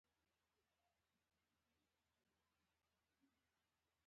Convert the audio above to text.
سیکهان یو جدي خنډ دی.